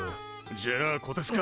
じゃあこてつか！